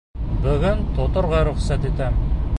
Бөгөн тоторға рөхсәт итәм.